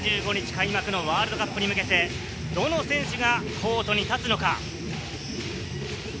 開幕のワールドカップに向けて、どの選手がコートに立つのか？